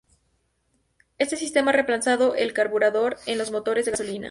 Este sistema ha reemplazado al carburador en los motores de gasolina.